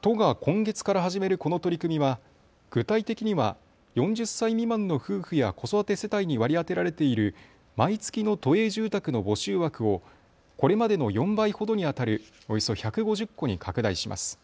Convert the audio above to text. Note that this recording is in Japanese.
都が今月から始めるこの取り組みは具体的には４０歳未満の夫婦や子育て世帯に割り当てられている毎月の都営住宅の募集枠をこれまでの４倍ほどにあたるおよそ１５０戸に拡大します。